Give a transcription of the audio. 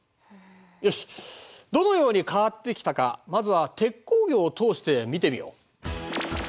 よしどのように変わってきたかまずは鉄鋼業を通して見てみよう。